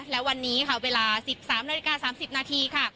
และวันนี้เวลา๑๓๓๐นาทีค่ะ